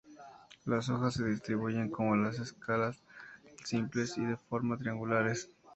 Las hojas se distribuyen como las escalas, simples y de forma triangulares.